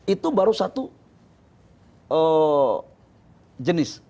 itu baru satu jenis